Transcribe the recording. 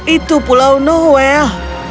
itu pulau noel